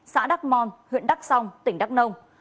xã đắk mon huyện đắk song tỉnh đắk nông